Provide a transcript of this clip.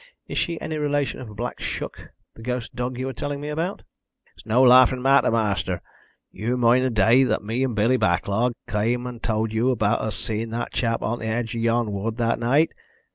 Is she any relation of Black Shuck, the ghost dog you were telling me about?" "It's no larfin' matter, ma'aster. You moind the day me and Billy Backlog come and towld yow about us seein' that chap on th' edge of yon wood that night?